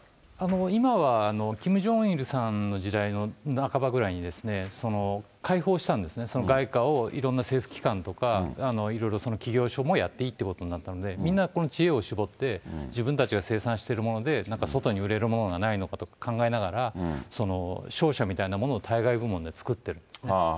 今はキム・ジョンイルさんの時代の半ばぐらいに、開放したんですね、外貨をいろんな政府機関とか、いろいろ企業所もやっていいということになったので、みんな、知恵を絞って、自分たちが生産しているもので、外に売れるものがないのかと考えながら、商社みたいなものを対外部門で作ってるんですね。